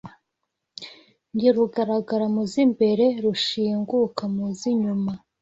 Ndi Rugaragara mu z'imbere, rushinguka mu z'inyuma